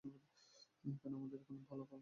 আমাদের এখনো ভালো ফলন হয়।